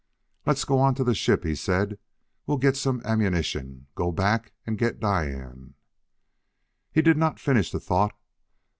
"Let's go on to the ship," he said. "We'll get some ammunition, go back and get Diane "He did not finish the thought.